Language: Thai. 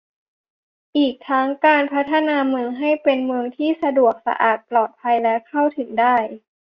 อีกทั้งการพัฒนาเมืองให้เป็นเมืองที่สะดวก สะอาด ปลอดภัย และ เข้าถึงได้